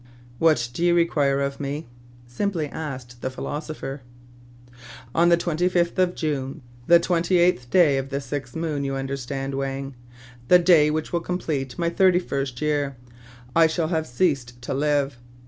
"What do you require of me.^" simply asked the philosopher. "On the 25th of June, — the twenty eighth day of the sixth moon, you understand, Wang, — the day which will complete my thirty first year, — I shall have ceased to live.